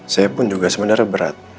saya pun juga sebenarnya berat